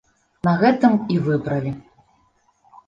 На гэтым і выбралі.